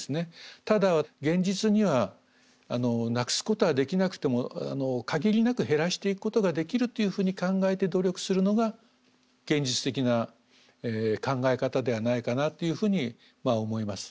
ただ現実にはなくすことはできなくても限りなく減らしていくことができるというふうに考えて努力するのが現実的な考え方ではないかなというふうに思います。